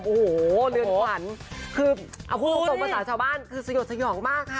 โอ้โหเรือนขวัญคือเอาพูดตรงภาษาชาวบ้านคือสยดสยองมากค่ะ